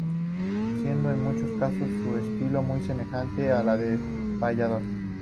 Siendo en muchos casos su estilo muy semejante al de un payador.